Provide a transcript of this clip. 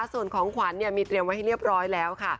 ส่วนของขวัญมีเตรียมไว้ให้เรียบร้อยแล้วค่ะ